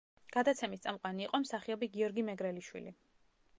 გადაცემის წამყვანი იყო მსახიობი გიორგი მეგრელიშვილი.